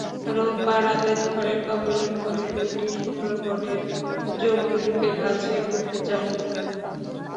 রোববার রাতে ঝড়ের কবলে পড়ে দুটি সুন্দরবনের জম্বুদ্বীপের কাছে ডুবে যায়।